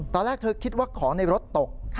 ตอนแรกเธอคิดว่าของในรถตก